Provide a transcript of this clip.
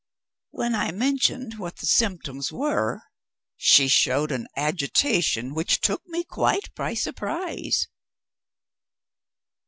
When I mentioned what the symptoms were, she showed an agitation which took me quite by surprise.